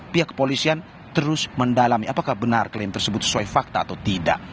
pihak kepolisian terus mendalami apakah benar klaim tersebut sesuai fakta atau tidak